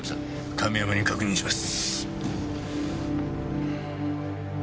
亀山に確認します。